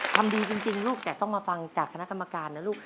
ทำดีจริงลูกแต่ต้องมาฟังจากคณะกรรมการนะลูก